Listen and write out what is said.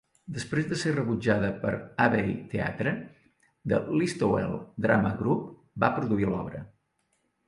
Després de ser rebutjada pel Abbey Theatre, The Listowel Drama Group va produir l'obra.